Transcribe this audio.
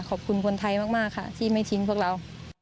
ขอบคุณคนไทยมากค่ะที่ไม่ทิ้งพวกเรา